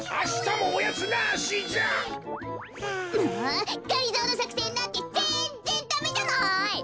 もうがりぞーのさくせんなんてぜんぜんダメじゃない！